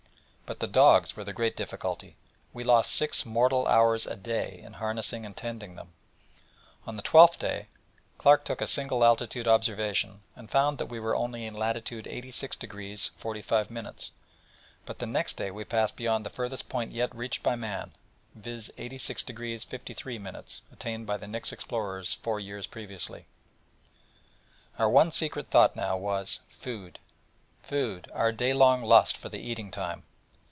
But the dogs were the great difficulty: we lost six mortal hours a day in harnessing and tending them. On the twelfth day Clark took a single altitude observation, and found that we were only in latitude 86° 45'; but the next day we passed beyond the furthest point yet reached by man, viz. 86° 53', attained by the Nix explorers four years previously. Our one secret thought now was food, food our day long lust for the eating time.